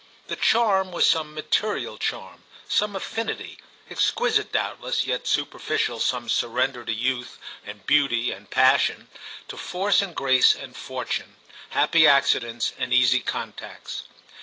The charm was some material charm, some afffinity, exquisite doubtless, yet superficial some surrender to youth and beauty and passion, to force and grace and fortune, happy accidents and easy contacts.